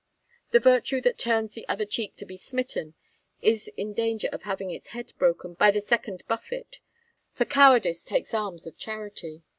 The virtue that turns the other cheek to be smitten is in danger of having its head broken by the second buffet, for cowardice takes arms of charity.